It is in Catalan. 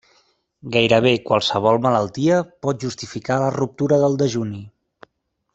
Gairebé qualsevol malaltia pot justificar la ruptura del dejuni.